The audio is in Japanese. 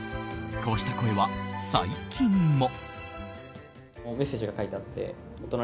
こうした声は最近も。